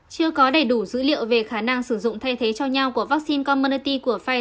chưa có đầy đủ dữ liệu về khả năng sử dụng thay thế